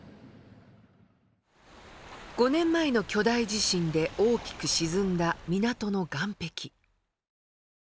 ５年前の巨大地震で大きく沈んだ港の岸壁。